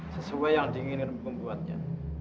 sesuai yang diinginkan pembuatnya